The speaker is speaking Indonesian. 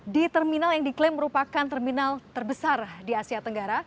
di terminal yang diklaim merupakan terminal terbesar di asia tenggara